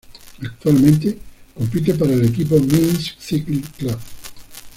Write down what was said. Actualmente compite para el equipo Minsk Cycling Club.